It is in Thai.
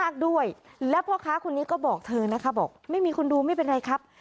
ค้าบอกไม่มีคนดูไม่เป็นไรครับ